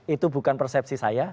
itu bukan persepsi saya